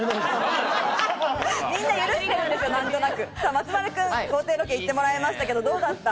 松丸君、豪邸ロケ行ってもらいましたが、どうだった？